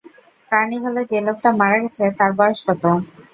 কার্নিভ্যালে যে লোকটা মারা গেছে, তার বয়স কত?